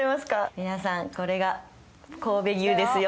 皆さん、これが神戸牛ですよ。